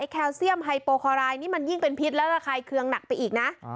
แคลเซียมไฮโปคอรายนี่มันยิ่งเป็นพิษและระคายเคืองหนักไปอีกนะ